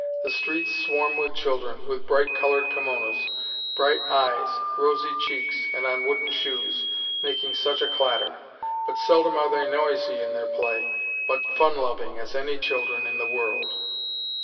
The streets swarm with children, with bright colored kimonos, bright eyes, rosy cheeks, and on wooden shoes, making such a clatter; but seldom are they noisy in their play, but fun loving as any children in the world!"